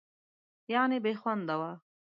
یعنې بېخونده وه.